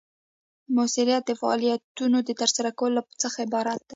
مؤثریت د فعالیتونو د ترسره کولو څخه عبارت دی.